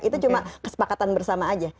itu cuma kesepakatan bersama aja